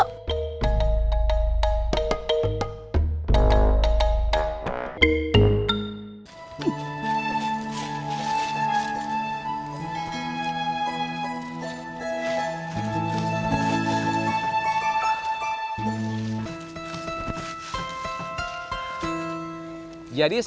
terima kasih mas